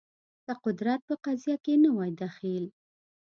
که قدرت په قضیه کې نه وای دخیل